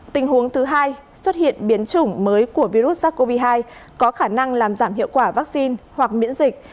tình huống thứ hai xuất hiện biến chủng mới của virus sars cov hai có khả năng làm giảm hiệu quả vaccine hoặc miễn dịch